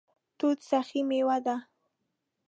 توت سخي میوه ده